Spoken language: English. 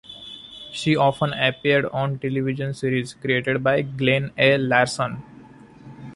She often appeared on television series created by Glen A. Larson.